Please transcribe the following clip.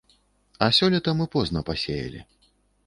А сёлета мы позна пасеялі.